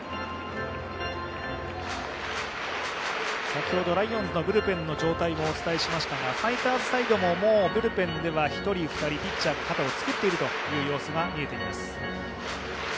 先ほどライオンズのブルペンの状態をお伝えしましたが、ファイターズサイドもブルペンでは１人、２人、ピッチャー、肩を作っている様子が見えています。